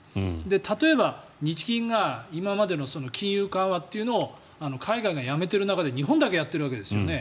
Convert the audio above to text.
例えば日銀が今までの金融緩和というのを海外がやめている中で日本だけやっているわけですよね。